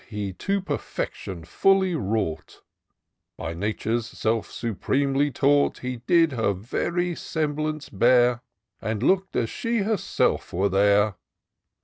He to perfection fully wrought ; By Nature's self supremely taught. He did her very semblance bear. And look'd as she herself were there.